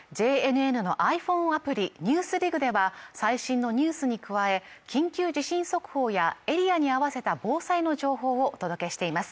ＪＮＮのｉＰｈｏｎｅアプリ「ＮＥＷＳＤＩＧ」では最新のニュースに加え緊急地震速報やエリアに合わせた防災の情報をお届けしています